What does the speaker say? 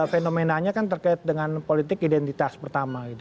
fenomenanya kan terkait dengan politik identitas pertama gitu